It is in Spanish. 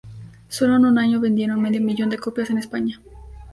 Sólo en un año vendieron medio millón de copias en España.